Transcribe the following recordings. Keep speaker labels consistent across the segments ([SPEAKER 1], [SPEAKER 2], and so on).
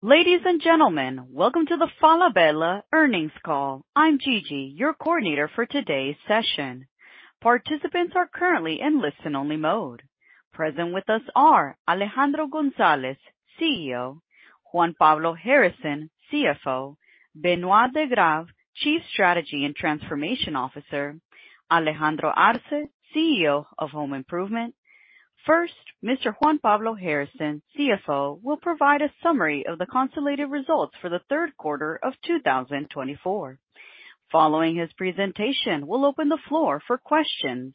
[SPEAKER 1] Ladies and gentlemen, welcome to the Falabella Earnings Call. I'm Gigi, your coordinator for today's session. Participants are currently in listen-only mode. Present with us are Alejandro González, CEO; Juan Pablo Harrison, CFO; Benoit De Grave, Chief Strategy and Transformation Officer; Alejandro Arze, CEO of Home Improvement. First, Mr. Juan Pablo Harrison, CFO, will provide a summary of the consolidated results for the third quarter of 2024. Following his presentation, we'll open the floor for questions.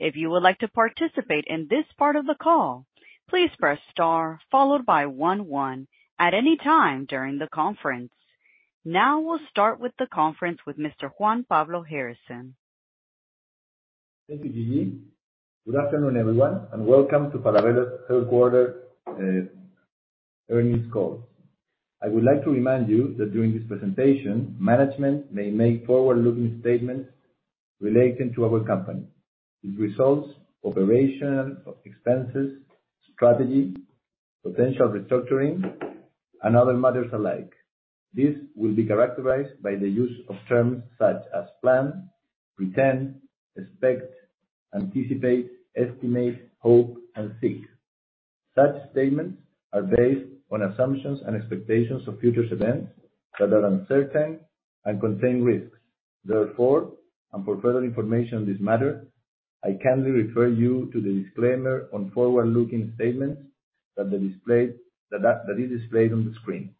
[SPEAKER 1] If you would like to participate in this part of the call, please press star followed by one-one at any time during the conference. Now we'll start the conference with Mr. Juan Pablo Harrison.
[SPEAKER 2] Thank you, Gigi. Good afternoon, everyone, and welcome to Falabella's third quarter earnings call. I would like to remind you that during this presentation, management may make forward-looking statements relating to our company's results, operational expenses, strategy, potential restructuring, and other matters alike. This will be characterized by the use of terms such as plan, intend, expect, anticipate, estimate, hope, and seek. Such statements are based on assumptions and expectations of future events that are uncertain and contain risks. Therefore, and for further information on this matter, I kindly refer you to the disclaimer on forward-looking statements that is displayed on the screen.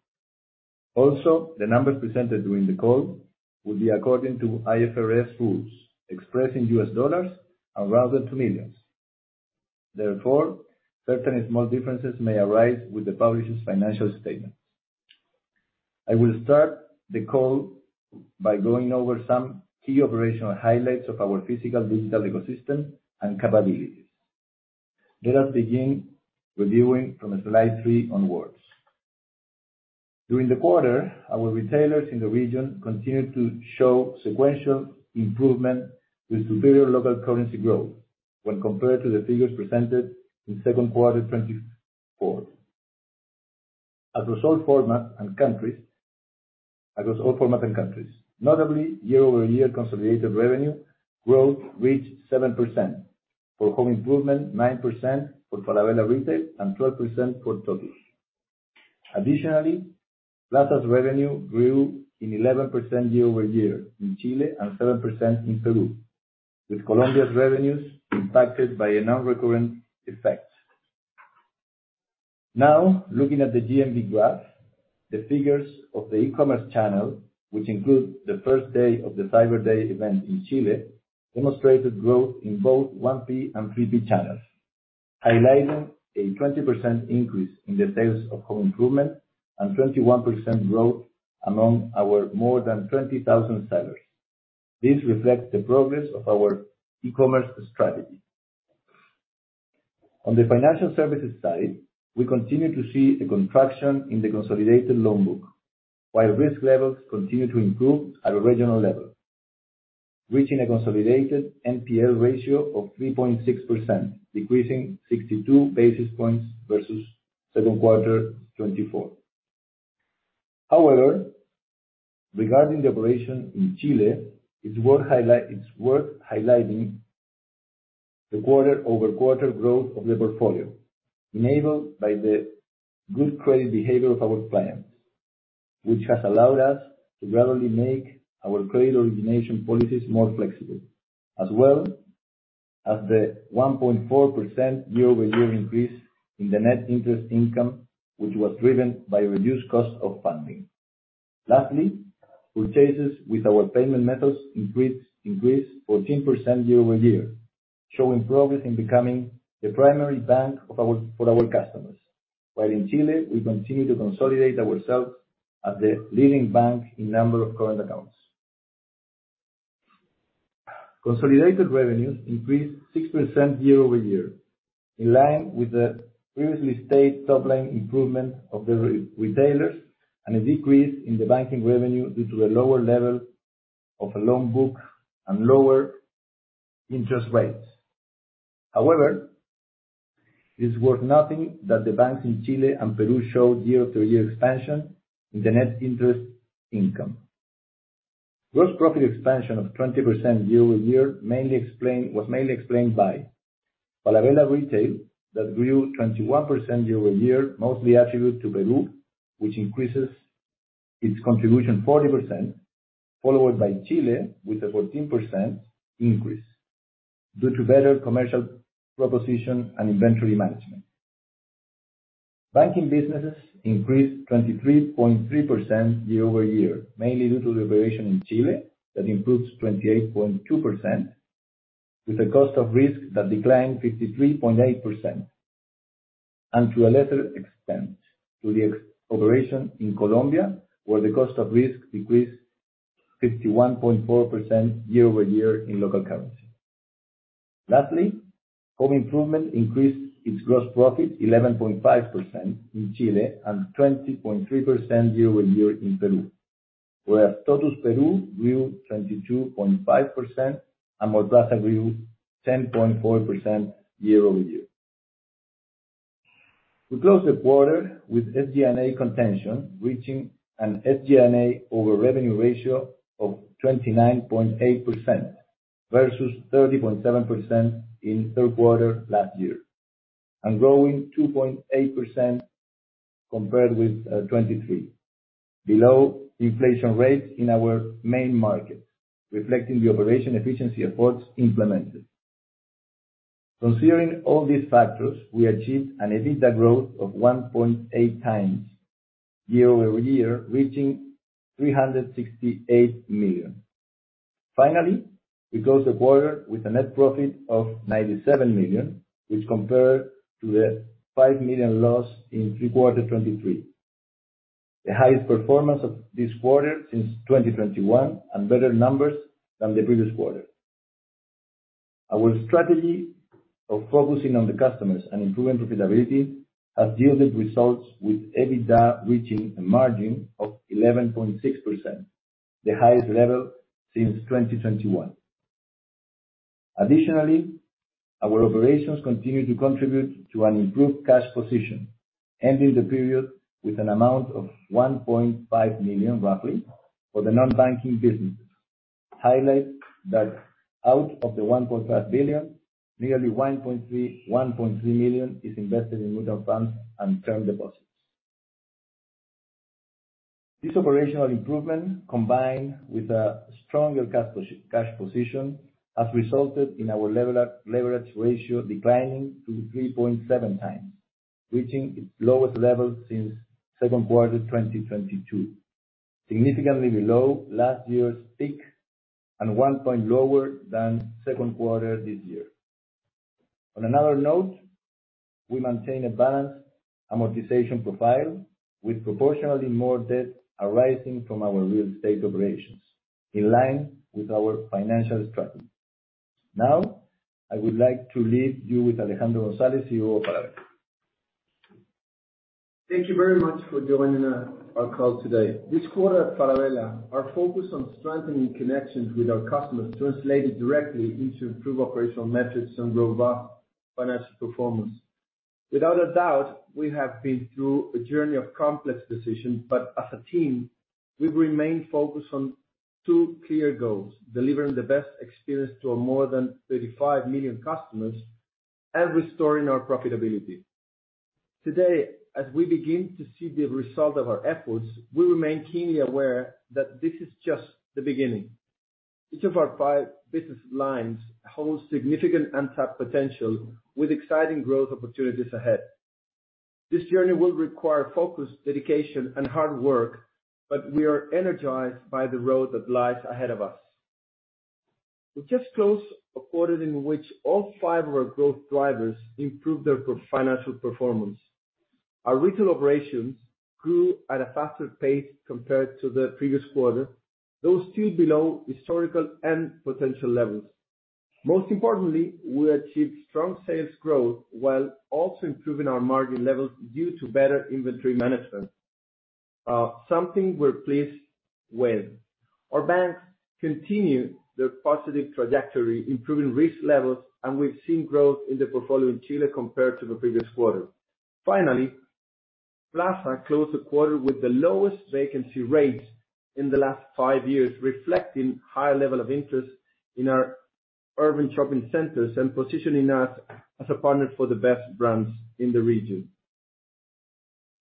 [SPEAKER 2] Also, the numbers presented during the call will be according to IFRS rules, expressed in US dollars and rounded to millions. Therefore, certain small differences may arise with the published financial statements. I will start the call by going over some key operational highlights of our physical digital ecosystem and capabilities. Let us begin reviewing from slide three onwards. During the quarter, our retailers in the region continued to show sequential improvement with superior local currency growth when compared to the figures presented in second quarter 2024. Across all formats and countries, notably, year-over-year consolidated revenue growth reached 7% for Home Improvement, 9% for Falabella Retail, and 12% for Tottus. Additionally, Plaza's revenue grew 11% year-over-year in Chile and 7% in Peru, with Colombia's revenues impacted by a non-recurrent effect. Now, looking at the GMV graph, the figures of the e-commerce channel, which include the first day of the Cyber Day event in Chile, demonstrated growth in both 1P and 3P channels, highlighting a 20% increase in the sales of Home Improvement and 21% growth among our more than 20,000 sellers. This reflects the progress of our e-commerce strategy. On the financial services side, we continue to see a contraction in the consolidated loan book, while risk levels continue to improve at a regional level, reaching a consolidated NPL ratio of 3.6%, decreasing 62 basis points versus second quarter 2024. However, regarding the operation in Chile, it's worth highlighting the quarter-over-quarter growth of the portfolio, enabled by the good credit behavior of our clients, which has allowed us to gradually make our credit origination policies more flexible, as well as the 1.4% year-over-year increase in the net interest income, which was driven by reduced cost of funding. Lastly, purchases with our payment methods increased 14% year-over-year, showing progress in becoming the primary bank for our customers, while in Chile, we continue to consolidate ourselves as the leading bank in number of current accounts. Consolidated revenues increased 6% year-over-year, in line with the previously stated top-line improvement of the retailers and a decrease in the banking revenue due to the lower level of loan book and lower interest rates. However, it's worth noting that the banks in Chile and Peru showed year-over-year expansion in the net interest income. Gross profit expansion of 20% year-over-year was mainly explained by Falabella Retail that grew 21% year-over-year, mostly attributed to Peru, which increased its contribution 40%, followed by Chile with a 14% increase due to better commercial proposition and inventory management. Banking businesses increased 23.3% year-over-year, mainly due to the operation in Chile that improved 28.2%, with a cost of risk that declined 53.8%, and to a lesser extent, to the operation in Colombia, where the cost of risk decreased 51.4% year-over-year in local currency. Lastly, Home Improvement increased its gross profit 11.5% in Chile and 20.3% year-over-year in Peru, whereas Tottus Peru grew 22.5% and Mallplaza grew 10.4% year-over-year. We closed the quarter with SG&A containment reaching an SG&A over revenue ratio of 29.8% versus 30.7% in third quarter last year, and growing 2.8% compared with 2023, below inflation rates in our main market, reflecting the operational efficiency efforts implemented. Considering all these factors, we achieved an EBITDA growth of 1.8 times year-over-year, reaching $368 million. Finally, we closed the quarter with a net profit of $97 million, which compared to the $5 million lost in three quarter 2023, the highest performance of this quarter since 2021, and better numbers than the previous quarter. Our strategy of focusing on the customers and improving profitability has yielded results with EBITDA reaching a margin of 11.6%, the highest level since 2021. Additionally, our operations continue to contribute to an improved cash position, ending the period with an amount of $1.5 billion, roughly, for the non-banking businesses, highlighting that out of the $1.5 billion, nearly $1.3 billion is invested in mutual funds and term deposits. This operational improvement, combined with a stronger cash position, has resulted in our leverage ratio declining to 3.7 times, reaching its lowest level since second quarter 2022, significantly below last year's peak and one point lower than second quarter this year. On another note, we maintain a balanced amortization profile with proportionally more debt arising from our real estate operations, in line with our financial strategy. Now, I would like to leave you with Alejandro González, CEO of Falabella.
[SPEAKER 3] Thank you very much for joining our call today. This quarter at Falabella, our focus on strengthening connections with our customers translated directly into improved operational metrics and robust financial performance. Without a doubt, we have been through a journey of complex decisions, but as a team, we've remained focused on two clear goals: delivering the best experience to our more than 35 million customers and restoring our profitability. Today, as we begin to see the result of our efforts, we remain keenly aware that this is just the beginning. Each of our five business lines holds significant untapped potential with exciting growth opportunities ahead. This journey will require focus, dedication, and hard work, but we are energized by the road that lies ahead of us. We just closed a quarter in which all five of our growth drivers improved their financial performance. Our retail operations grew at a faster pace compared to the previous quarter, though still below historical and potential levels. Most importantly, we achieved strong sales growth while also improving our margin levels due to better inventory management, something we're pleased with. Our banks continue their positive trajectory, improving risk levels, and we've seen growth in the portfolio in Chile compared to the previous quarter. Finally, Plaza closed the quarter with the lowest vacancy rates in the last five years, reflecting a higher level of interest in our urban shopping centers and positioning us as a partner for the best brands in the region.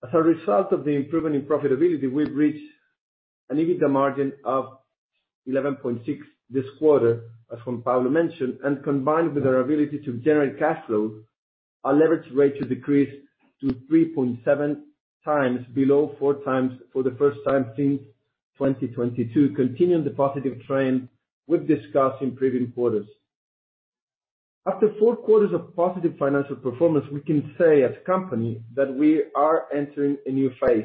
[SPEAKER 3] As a result of the improvement in profitability, we've reached an EBITDA margin of 11.6% this quarter, as Juan Pablo mentioned, and combined with our ability to generate cash flow, our leverage ratio decreased to 3.7 times, below 4 times for the first time since 2022, continuing the positive trend we've discussed in previous quarters. After four quarters of positive financial performance, we can say as a company that we are entering a new phase.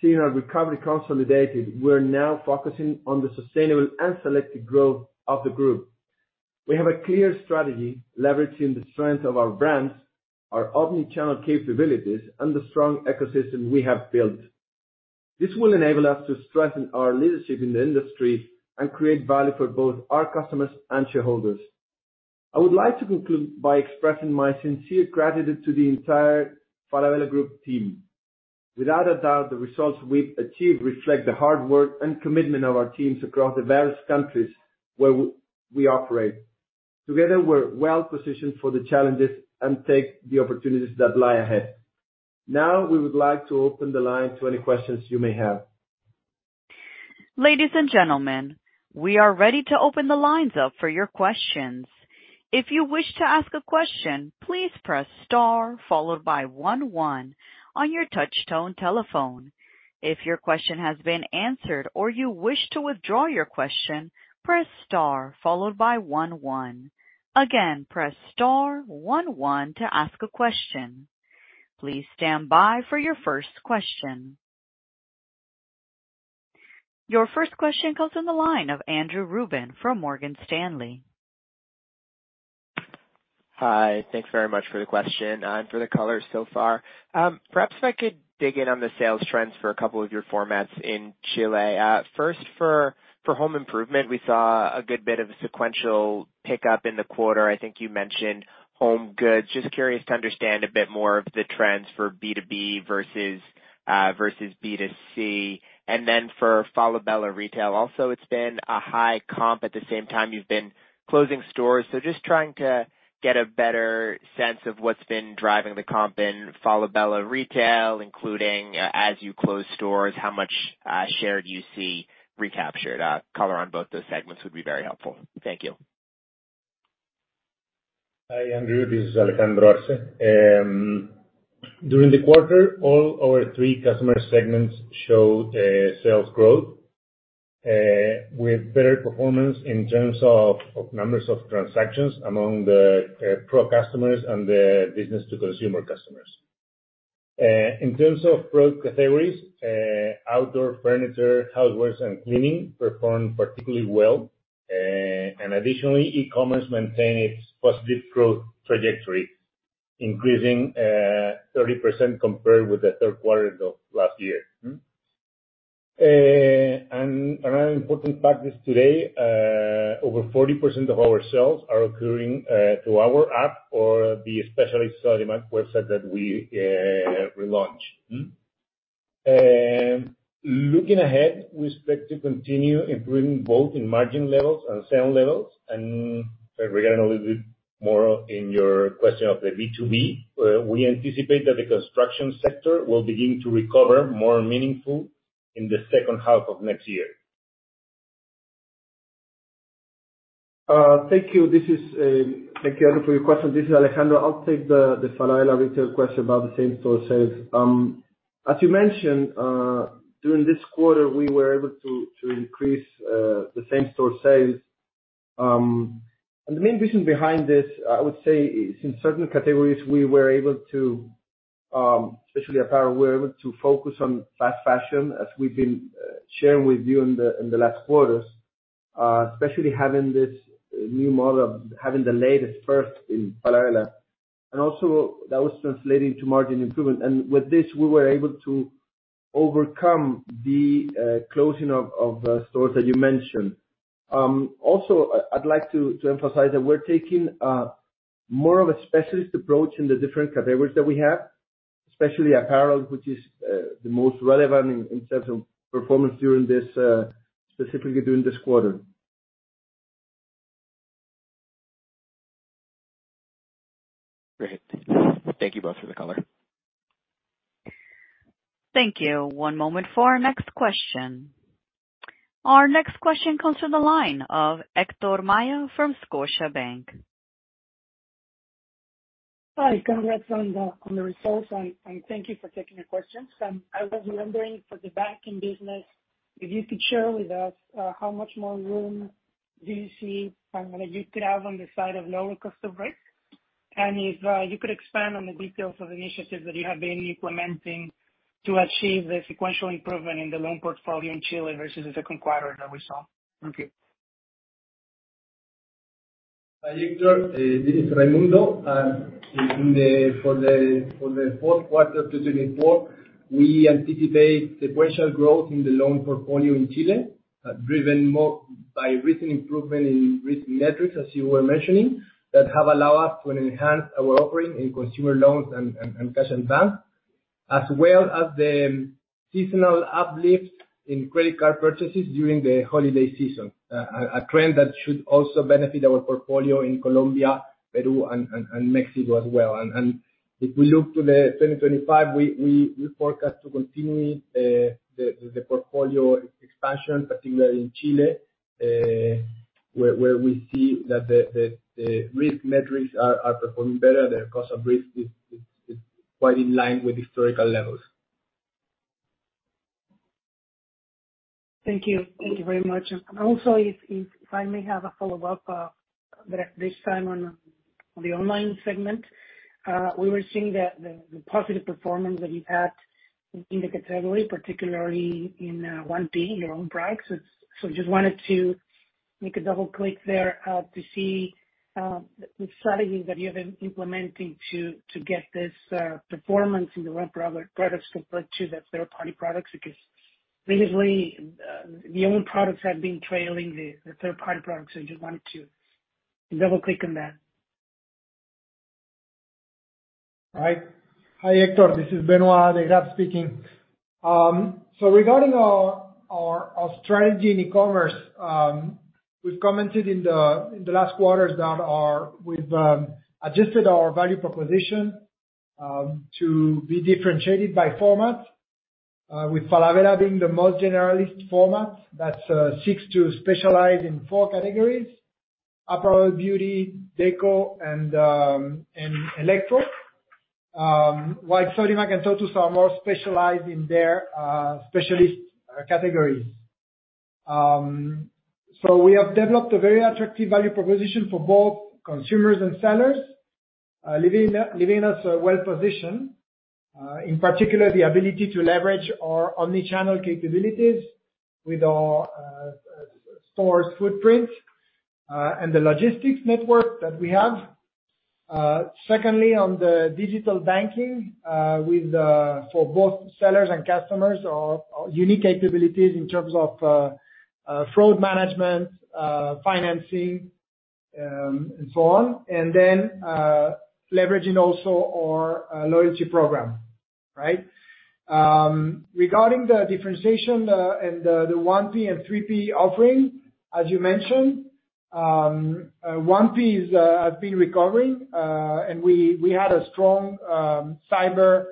[SPEAKER 3] Seeing our recovery consolidated, we're now focusing on the sustainable and selective growth of the group. We have a clear strategy leveraging the strength of our brands, our omnichannel capabilities, and the strong ecosystem we have built. This will enable us to strengthen our leadership in the industry and create value for both our customers and shareholders. I would like to conclude by expressing my sincere gratitude to the entire Falabella Group team. Without a doubt, the results we've achieved reflect the hard work and commitment of our teams across the various countries where we operate. Together, we're well-positioned for the challenges and take the opportunities that lie ahead. Now, we would like to open the line to any questions you may have.
[SPEAKER 1] Ladies and gentlemen, we are ready to open the lines up for your questions. If you wish to ask a question, please press star followed by one-one on your touchtone telephone. If your question has been answered or you wish to withdraw your question, press star followed by one-one. Again, press star one-one to ask a question. Please stand by for your first question. Your first question comes from the line of Andrew Ruben from Morgan Stanley.
[SPEAKER 4] Hi. Thanks very much for the question and for the color so far. Perhaps if I could dig in on the sales trends for a couple of your formats in Chile. First, for Home Improvement, we saw a good bit of a sequential pickup in the quarter. I think you mentioned home goods. Just curious to understand a bit more of the trends for B2B versus B2C. And then for Falabella Retail, also, it's been a high comp at the same time you've been closing stores. So just trying to get a better sense of what's been driving the comp in Falabella Retail, including as you close stores, how much share do you see recaptured? Color on both those segments would be very helpful. Thank you.
[SPEAKER 5] Hi, Andrew. This is Alejandro Arze. During the quarter, all our three customer segments showed sales growth with better performance in terms of numbers of transactions among the core customers and the business-to-consumer customers. In terms of product categories, outdoor furniture, housewares, and cleaning performed particularly well. Additionally, e-commerce maintained its positive growth trajectory, increasing 30% compared with the third quarter of last year. Another important fact is today, over 40% of our sales are occurring through our app or the specialty seller website that we relaunched. Looking ahead, we expect to continue improving both in margin levels and sales levels. Regarding a little bit more in your question of the B2B, we anticipate that the construction sector will begin to recover more meaningfully in the second half of next year.
[SPEAKER 3] Thank you. Thank you, Andrew, for your question. This is Alejandro. I'll take the Falabella Retail question about the same store sales. As you mentioned, during this quarter, we were able to increase the same store sales. And the main reason behind this, I would say, is in certain categories, we were able to, especially at Falabella, we were able to focus on fast fashion, as we've been sharing with you in the last quarters, especially having this new model, having the latest fits in Falabella. And also, that was translated into margin improvement. And with this, we were able to overcome the closing of stores that you mentioned. Also, I'd like to emphasize that we're taking more of a specialist approach in the different categories that we have, especially apparel, which is the most relevant in terms of performance during this, specifically during this quarter.
[SPEAKER 4] Great. Thank you both for the color.
[SPEAKER 1] Thank you. One moment for our next question. Our next question comes from the line of Héctor Maya from Scotiabank.
[SPEAKER 6] Hi. Congrats on the results, and thank you for taking the questions. I was wondering, for the banking business, if you could share with us how much more room do you see you could have on the side of lower customer rates? And if you could expand on the details of initiatives that you have been implementing to achieve the sequential improvement in the loan portfolio in Chile versus the second quarter that we saw.. Thank you.
[SPEAKER 7] Héctor, this is Raimundo. For the fourth quarter of 2024, we anticipate sequential growth in the loan portfolio in Chile, driven by recent improvement in risk metrics, as you were mentioning, that have allowed us to enhance our offering in consumer loans and cash and bank, as well as the seasonal uplift in credit card purchases during the holiday season, a trend that should also benefit our portfolio in Colombia, Peru, and Mexico as well. And if we look to the 2025, we forecast to continue the portfolio expansion, particularly in Chile, where we see that the risk metrics are performing better, and the cost of risk is quite in line with historical levels.
[SPEAKER 6] Thank you. Thank you very much. And also, if I may have a follow-up this time on the online segment, we were seeing the positive performance that you've had in the category, particularly in 1P, your own products. So I just wanted to make a double click there to see the strategies that you've been implementing to get this performance in your own products compared to the third-party products because previously, the own products have been trailing the third-party products. So I just wanted to double click on that.
[SPEAKER 8] All right. Hi, Héctor. This is Benoit de Grave speaking. So regarding our strategy in e-commerce, we've commented in the last quarter that we've adjusted our value proposition to be differentiated by format, with Falabella being the most generalist format that seeks to specialize in four categories: apparel, beauty, deco, and electro, while Sodimac and Tottus are more specialized in their specialist categories. So we have developed a very attractive value proposition for both consumers and sellers, leaving us well-positioned, in particular the ability to leverage our omnichannel capabilities with our stores' footprint and the logistics network that we have. Secondly, on the digital banking, for both sellers and customers, our unique capabilities in terms of fraud management, financing, and so on, and then leveraging also our loyalty program, right? Regarding the differentiation and the 1P and 3P offering, as you mentioned, 1P has been recovering, and we had a strong cyber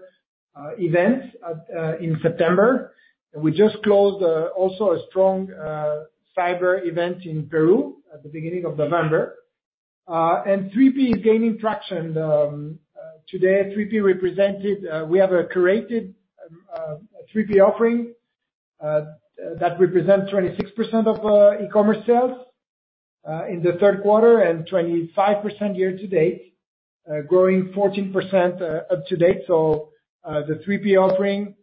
[SPEAKER 8] event in September. We just closed also a strong cyber event in Peru at the beginning of November. And 3P is gaining traction. Today, 3P represented we have a curated 3P offering that represents 26% of e-commerce sales in the third quarter and 25% year-to-date, growing 14% up-to-date. So the 3P offering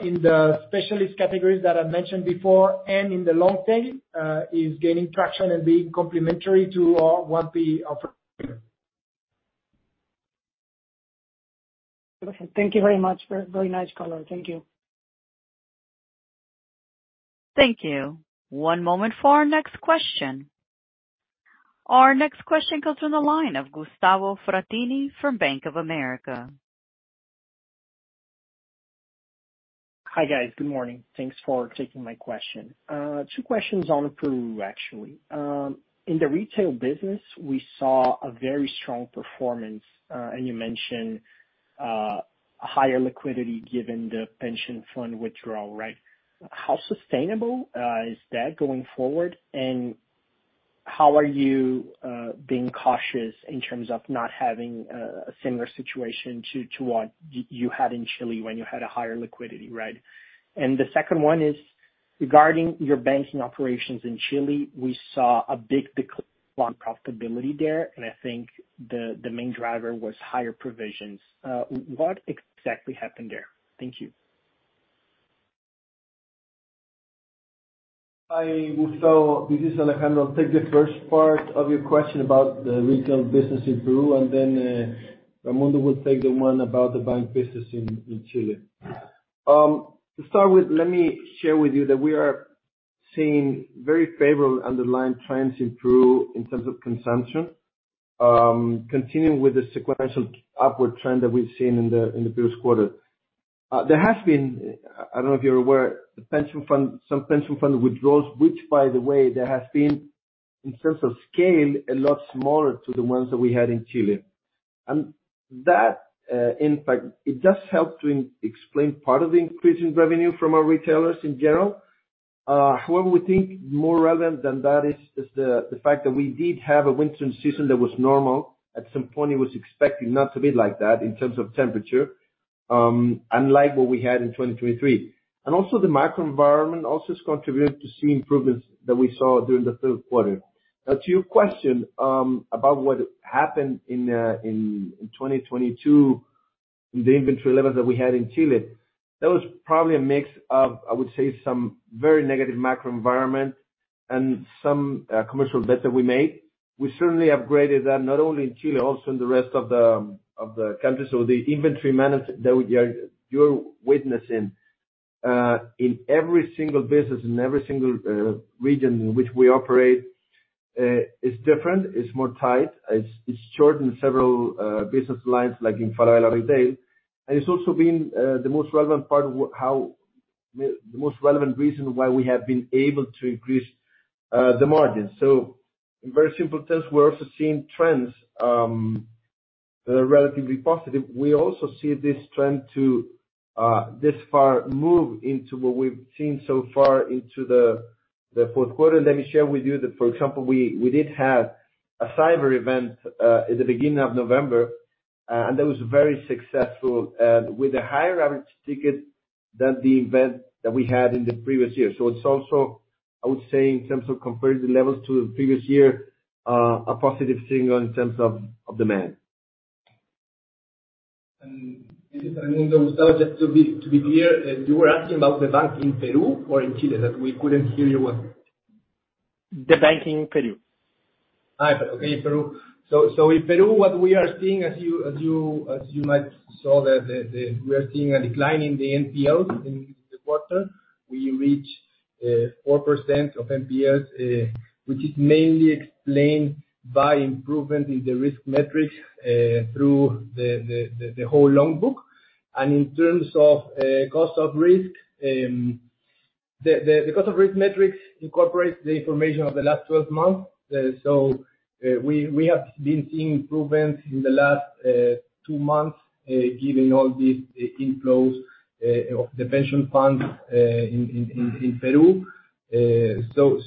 [SPEAKER 8] in the specialist categories that I mentioned before and in the long tail is gaining traction and being complementary to our 1P offering.
[SPEAKER 6] Thank you very much. Very nice color. Thank you.
[SPEAKER 1] Thank you. One moment for our next question. Our next question comes from the line of Gustavo Fratini from Bank of America.
[SPEAKER 9] Hi guys. Good morning. Thanks for taking my question. Two questions on Peru, actually. In the retail business, we saw a very strong performance, and you mentioned higher liquidity given the pension fund withdrawal, right? How sustainable is that going forward? And how are you being cautious in terms of not having a similar situation to what you had in Chile when you had a higher liquidity, right? And the second one is regarding your banking operations in Chile, we saw a big decline in profitability there, and I think the main driver was higher provisions. What exactly happened there? Thank you.
[SPEAKER 3] Hi, Gustavo. This is Alejandro. I'll take the first part of your question about the retail business in Peru, and then Raimundo will take the one about the bank business in Chile. To start with, let me share with you that we are seeing very favorable underlying trends in Peru in terms of consumption, continuing with the sequential upward trend that we've seen in the previous quarter. There has been, I don't know if you're aware, some pension fund withdrawals, which, by the way, there has been, in terms of scale, a lot smaller to the ones that we had in Chile. And that, in fact, it does help to explain part of the increase in revenue from our retailers in general. However, we think more relevant than that is the fact that we did have a winter season that was normal. At some point, it was expected not to be like that in terms of temperature, unlike what we had in 2023. The macro environment also has contributed to the improvements that we saw during the third quarter. Now, to your question about what happened in 2022, the inventory levels that we had in Chile, that was probably a mix of, I would say, some very negative macro environment and some commercial bets that we made. We certainly upgraded that not only in Chile, also in the rest of the countries. The inventory management that you're witnessing in every single business in every single region in which we operate is different. It's more tight. It's short in several business lines, like in Falabella Retail. It's also been the most relevant part, the most relevant reason why we have been able to increase the margin. So in very simple terms, we're also seeing trends that are relatively positive. We also see this trend to this far move into what we've seen so far into the fourth quarter. And let me share with you that, for example, we did have a cyber event at the beginning of November, and that was very successful with a higher average ticket than the event that we had in the previous year. So it's also, I would say, in terms of compared to the levels to the previous year, a positive signal in terms of demand.
[SPEAKER 7] This is Raimundo, Gustavo. Just to be clear, you were asking about the bank in Peru or in Chile, that we couldn't hear you well?
[SPEAKER 9] The bank in Peru.
[SPEAKER 7] Okay, Peru, so in Peru, what we are seeing, as you might saw, that we are seeing a decline in the NPLs in the quarter. We reached 4% of NPLs, which is mainly explained by improvement in the risk metrics through the whole loan book, and in terms of cost of risk, the cost of risk metrics incorporates the information of the last 12 months, so we have been seeing improvements in the last two months, given all these inflows of the pension funds in Peru, so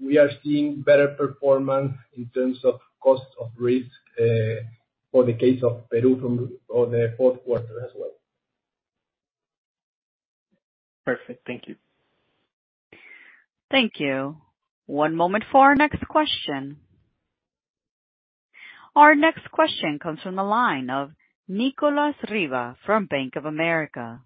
[SPEAKER 7] we are seeing better performance in terms of cost of risk for the case of Peru from the fourth quarter as well.
[SPEAKER 9] Perfect. Thank you.
[SPEAKER 1] Thank you. One moment for our next question. Our next question comes from the line of Nicolás Riva from Bank of America.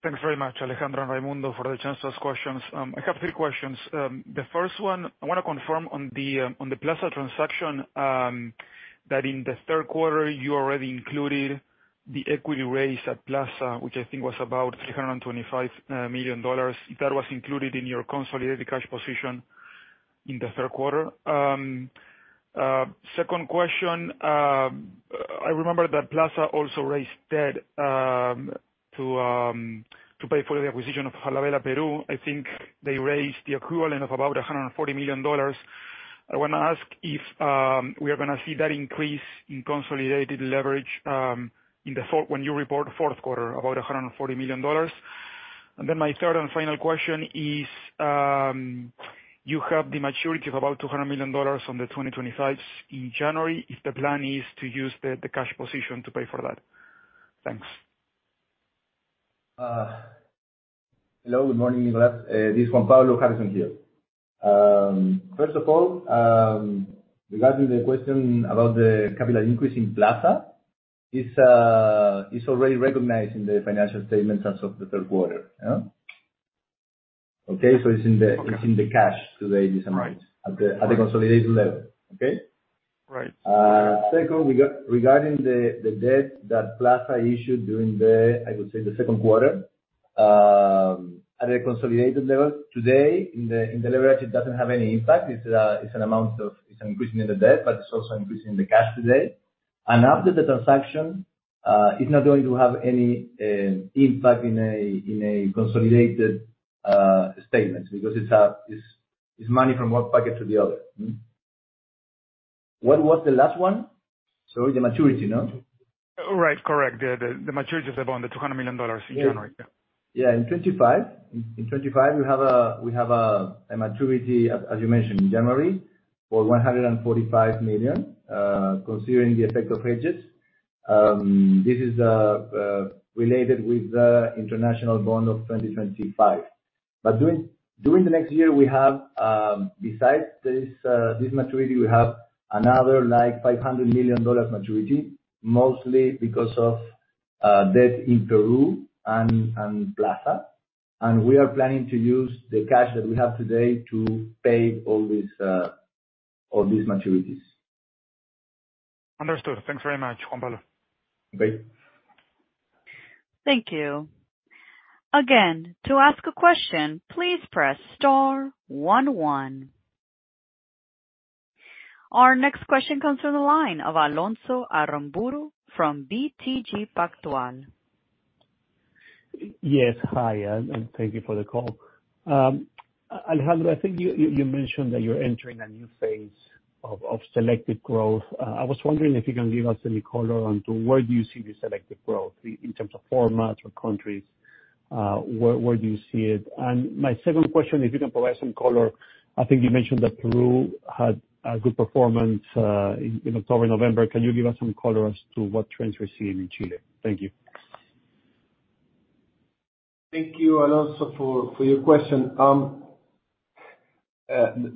[SPEAKER 10] Thank you very much, Alejandro and Raimundo, for the chance to ask questions. I have three questions. The first one, I want to confirm on the Plaza transaction that in the third quarter, you already included the equity raise at Plaza, which I think was about $325 million. That was included in your consolidated cash position in the third quarter. Second question, I remember that Plaza also raised debt to pay for the acquisition of Falabella Peru. I think they raised the equivalent of about $140 million. I want to ask if we are going to see that increase in consolidated leverage when you report fourth quarter, about $140 million. And then my third and final question is, you have the maturity of about $200 million on the 2025s in January. If the plan is to use the cash position to pay for that? Thanks.
[SPEAKER 2] Hello. Good morning, Nicolás. This is Juan Pablo Harrison here. First of all, regarding the question about the capital increase in Plaza, it's already recognized in the financial statements as of the third quarter. Okay? So it's in the cash today, this amount, at the consolidated level. Okay?
[SPEAKER 10] Right.
[SPEAKER 2] Second, regarding the debt that Plaza issued during, I would say, the second quarter, at the consolidated level, today, in the leverage, it doesn't have any impact. It's an amount; it's an increase in the debt, but it's also an increase in the cash today. And after the transaction, it's not going to have any impact in a consolidated statement because it's money from one pocket to the other. What was the last one? Sorry, the maturity, no?
[SPEAKER 10] Right. Correct. The maturity is about $200 million in January.
[SPEAKER 2] Yeah. In 2025, we have a maturity, as you mentioned, in January for $145 million, considering the effect of hedges. This is related with the international bond of 2025. But during the next year, besides this maturity, we have another $500 million maturity, mostly because of debt in Peru and Plaza. And we are planning to use the cash that we have today to pay all these maturities.
[SPEAKER 10] Understood. Thanks very much, Juan Pablo.
[SPEAKER 2] Okay.
[SPEAKER 1] Thank you. Again, to ask a question, please press star one one. Our next question comes from the line of Alonso Aramburú from BTG Pactual.
[SPEAKER 11] Yes. Hi. And thank you for the call. Alejandro, I think you mentioned that you're entering a new phase of selective growth. I was wondering if you can give us any color on where do you see the selective growth in terms of formats or countries, where do you see it? And my second question, if you can provide some color, I think you mentioned that Peru had a good performance in October, November. Can you give us some color as to what trends we're seeing in Chile? Thank you.
[SPEAKER 3] Thank you, Alonso, for your question.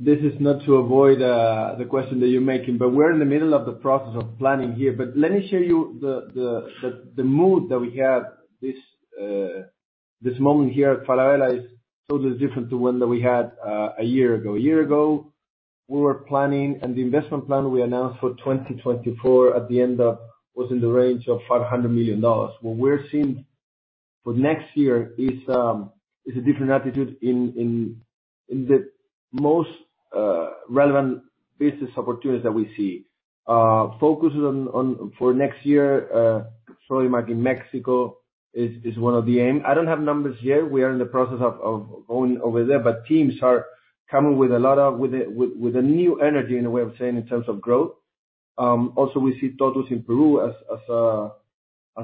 [SPEAKER 3] This is not to avoid the question that you're making, but we're in the middle of the process of planning here. But let me share with you the mood that we have at this moment here at Falabella is totally different to when we had a year ago. A year ago, we were planning, and the investment plan we announced for 2024 at the end was in the range of $500 million. What we're seeing for next year is a different attitude in the most relevant business opportunities that we see. Focus for next year, Sodimac in Mexico is one of the aims. I don't have numbers yet. We are in the process of going over there, but teams are coming with a lot of new energy, in a way of saying, in terms of growth. Also, we see Tottus in Peru as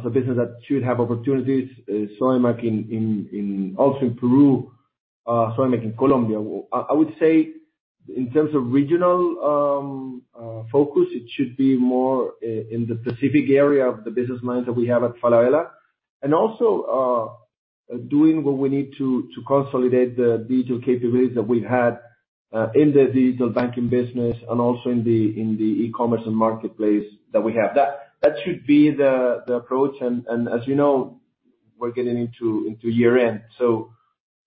[SPEAKER 3] a business that should have opportunities, Sodimac also in Peru, Sodimac in Colombia. I would say, in terms of regional focus, it should be more in the Pacific area of the business lines that we have at Falabella. And also doing what we need to consolidate the digital capabilities that we had in the digital banking business and also in the e-commerce and marketplace that we have. That should be the approach. And as you know, we're getting into year end. So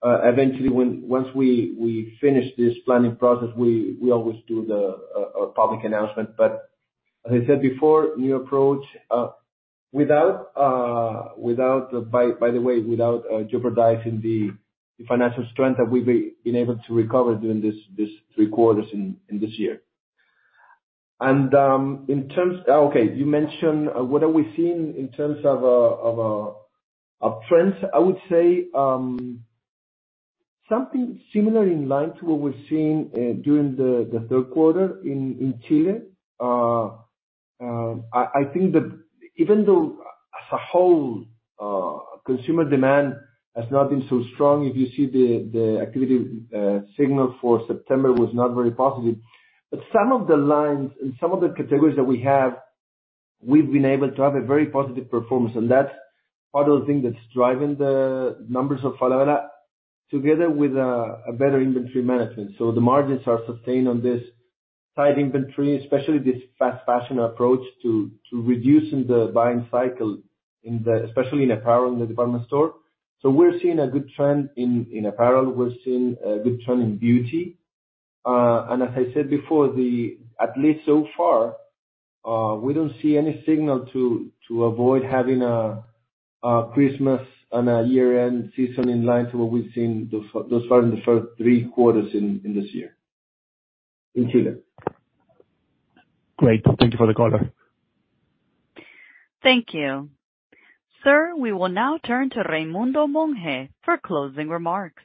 [SPEAKER 3] eventually, once we finish this planning process, we always do the public announcement. But as I said before, new approach without, by the way, without jeopardizing the financial strength that we've been able to recover during these three quarters in this year. And in terms okay, you mentioned what are we seeing in terms of trends. I would say something similar in line to what we've seen during the third quarter in Chile. I think that even though, as a whole, consumer demand has not been so strong, if you see the activity signal for September was not very positive, but some of the lines and some of the categories that we have, we've been able to have a very positive performance, and that's part of the thing that's driving the numbers of Falabella, together with a better inventory management, so the margins are sustained on this tight inventory, especially this fast fashion approach to reducing the buying cycle, especially in apparel in the department store, so we're seeing a good trend in apparel. We're seeing a good trend in beauty. As I said before, at least so far, we don't see any signal to avoid having a Christmas and a year-end season in line to what we've seen thus far in the first three quarters in this year in Chile.
[SPEAKER 11] Great. Thank you for the color.
[SPEAKER 1] Thank you. Sir, we will now turn to Raimundo Monge for closing remarks.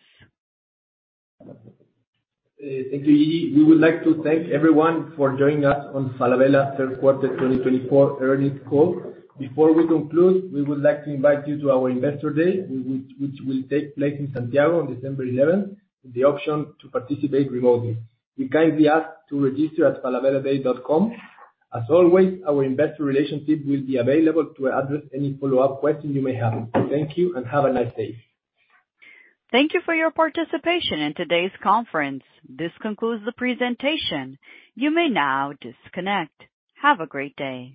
[SPEAKER 7] Thank you, Gigi. We would like to thank everyone for joining us on Falabella third quarter 2024 earnings call. Before we conclude, we would like to invite you to our investor day, which will take place in Santiago on December 11th, with the option to participate remotely. We kindly ask to register at falabelladay.com. As always, our Investor Relations will be available to address any follow-up questions you may have. Thank you and have a nice day.
[SPEAKER 1] Thank you for your participation in today's conference. This concludes the presentation. You may now disconnect. Have a great day.